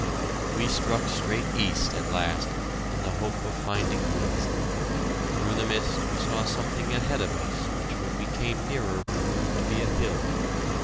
We struck straight east at last, in the hope of finding woods. Through the mist we saw something ahead of us which when we came nearer proved to be a hill.